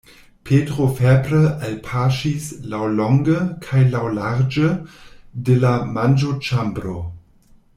Petro febre alpaŝis laŭlonge kaj laŭlarĝe de la manĝoĉambro.